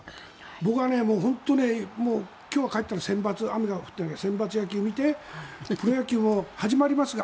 僕は本当に今日帰ったら雨が降ってなきゃセンバツ野球を見てプロ野球も始まりますが